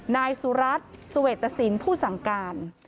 นายสุรัตน์เสวตสินผู้สั่งการ